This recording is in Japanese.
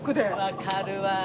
わかるわ。